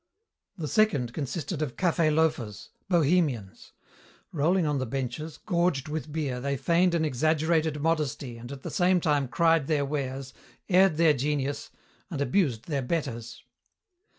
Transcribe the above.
The second consisted of café loafers, "bohemians." Rolling on the benches, gorged with beer they feigned an exaggerated modesty and at the same time cried their wares, aired their genius, and abused their betters.